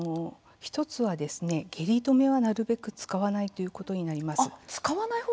１つは、下痢止めはなるべく使わないということになります。